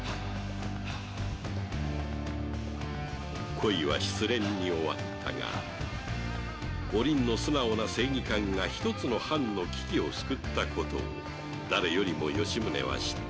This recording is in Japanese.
恋は失恋に終わったがお凛の素直な正義感が一つの藩の危機を救ったことを誰よりも吉宗は知っていた